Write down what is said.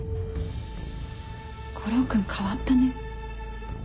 悟郎君変わったね。